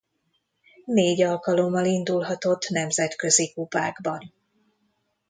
Négy alkalommal indulhatott nemzetközi kupákban.